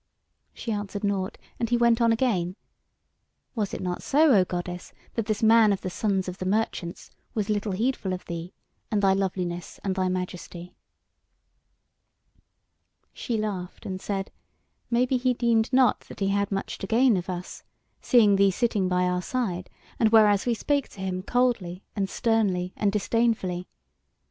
She answered nought, and he went on again: "Was it not so, O goddess, that this man of the sons of the merchants was little heedful of thee, and thy loveliness and thy majesty?" She laughed and said: "Maybe he deemed not that he had much to gain of us, seeing thee sitting by our side, and whereas we spake to him coldly and sternly and disdainfully.